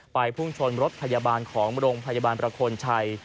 พุ่งชนรถพยาบาลของโรงพยาบาลประโคนชัย